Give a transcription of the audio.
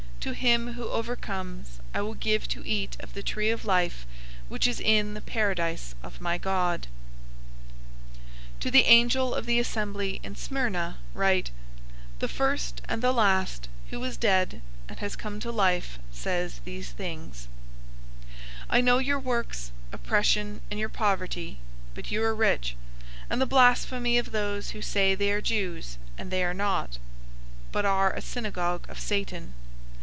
To him who overcomes I will give to eat of the tree of life, which is in the Paradise of my God. 002:008 "To the angel of the assembly in Smyrna write: "The first and the last, who was dead, and has come to life says these things: 002:009 "I know your works, oppression, and your poverty (but you are rich), and the blasphemy of those who say they are Jews, and they are not, but are a synagogue of Satan.